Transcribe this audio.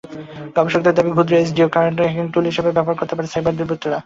গবেষকদের দাবি, ক্ষুদ্র এসডি কার্ডও হ্যাকিং টুল হিসেবে ব্যবহার করতে পারে সাইবার দুর্বৃত্তরা।